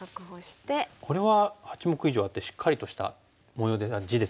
これは８目以上あってしっかりとした地ですよね。